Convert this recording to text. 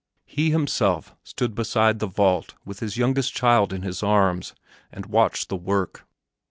He himself stood beside the vault with his youngest child in his arms and watched the work.